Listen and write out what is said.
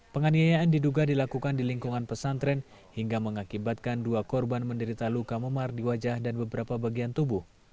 penganiayaan diduga dilakukan di lingkungan pesantren hingga mengakibatkan dua korban menderita luka memar di wajah dan beberapa bagian tubuh